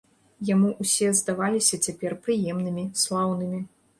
Яму ўсе здаваліся цяпер прыемнымі, слаўнымі.